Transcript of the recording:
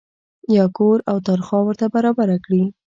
یا کور او تنخوا ورته برابره کړي.